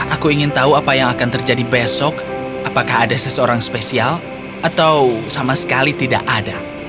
aku ingin tahu apa yang akan terjadi besok apakah ada seseorang spesial atau sama sekali tidak ada